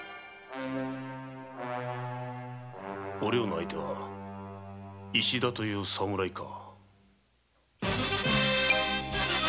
お涼の相手は石田という侍か。